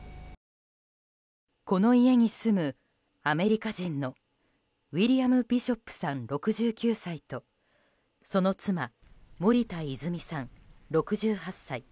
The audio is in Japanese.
この家に住むアメリカ人のウィリアム・ビショップさん６９歳とその妻・森田泉さん、６８歳。